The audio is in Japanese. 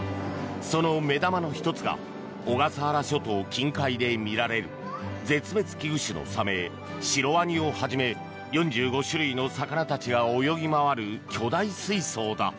その目玉の１つが小笠原諸島近海で見られる絶滅危惧種のサメシロワニをはじめ４５種類の魚たちが泳ぎ回る巨大水槽だ。